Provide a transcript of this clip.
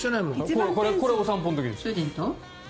これ、お散歩の時です。